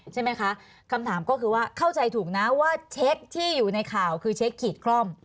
ใช่ไหมคะคำถามก็คือว่าเข้าใจถูกนะว่าเช็คที่อยู่ในข่าวคือเช็คขีดคล่อม